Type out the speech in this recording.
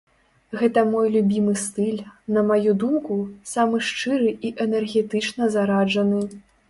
Гэта мой любімы стыль, на маю думку, самы шчыры і энергетычна зараджаны.